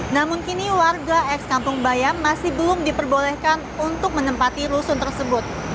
namun kini warga eks kampung bayam masih belum diperbolehkan untuk menempati rusun tersebut